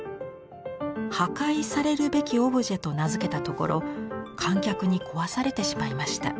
「破壊されるべきオブジェ」と名付けたところ観客に壊されてしまいました。